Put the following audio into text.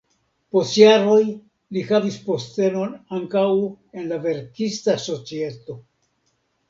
Post jaroj li havis postenon ankaŭ en la verkista societo.